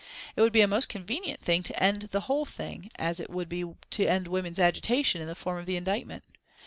It would be a most convenient thing to end the whole thing, as it would be to end women's agitation in the form of the indictment.